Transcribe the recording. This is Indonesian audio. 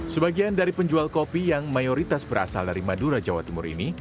sebagian dari penjual kopi yang mayoritas berasal dari madura jawa timur ini